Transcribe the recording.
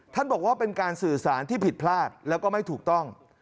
บอกว่าเป็นการสื่อสารที่ผิดพลาดแล้วก็ไม่ถูกต้อง